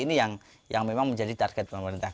ini yang memang menjadi target pemerintah